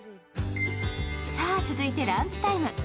さあ続いてランチタイム。